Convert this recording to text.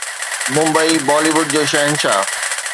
Mumbai Bollywood جو شهنشاهه